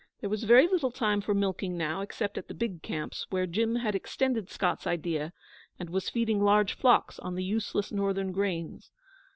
There was very little time for milking now, except at the big camps, where Jim had extended Scott's idea, and was feeding large flocks on the useless northern grains.